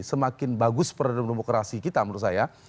semakin bagus produk demokrasi kita menurut saya